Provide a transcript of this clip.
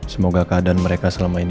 semoga keadaan mereka selama ini